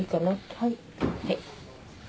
はい。